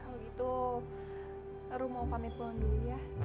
kalau gitu rum mau pamit pulang dulu ya